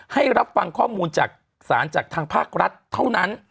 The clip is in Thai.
ให้รับฟังข้อมูลจากศาลจากทางภาครัฐเท่านั้น